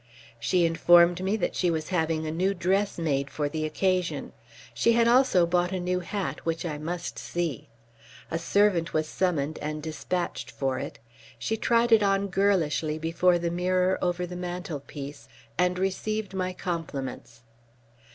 She informed me that she was having a new dress made for the occasion. She had also bought a new hat, which I must see. A servant was summoned and dispatched for it. She tried it on girlishly before the mirror over the mantelpiece, and received my compliments.